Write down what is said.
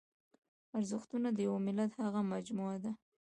ارزښتونه د یوه ملت هغه مجموعه ده.